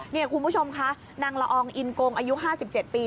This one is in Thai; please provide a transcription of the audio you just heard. นี่คุณผู้ชมคะนางละอองอินกงอายุ๕๗ปี